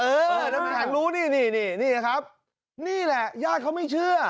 เออน้ำแข็งรู้นี่นี่ครับนี่แหละญาติเขาไม่เชื่อ